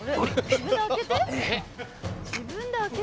自分で開けるの？